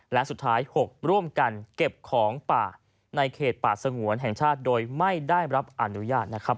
และสุดท้าย๖ร่วมกันเก็บของป่าในเขตป่าสงวนแห่งชาติโดยไม่ได้รับอนุญาตนะครับ